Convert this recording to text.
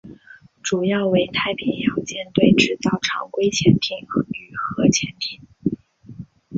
主要为太平洋舰队制造常规潜艇与核潜艇。